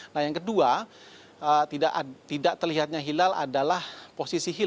nah yang kedua tidak terlihatnya hilal adalah posisi hilal